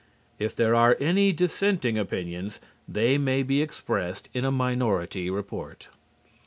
If there are any dissenting opinions, they may be expressed in a minority report.